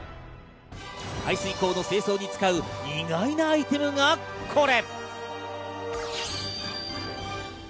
排水口の清掃に使う意外なアイテムがこれ。